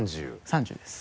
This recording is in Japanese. ３０です。